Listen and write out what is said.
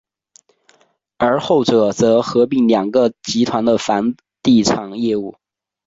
而后者则合并两个集团的房地产业务。